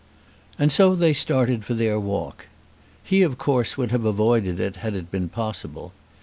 And so they started for their walk. He of course would have avoided it had it been possible.